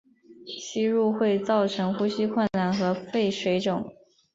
吸入会造成呼吸困难和肺水肿。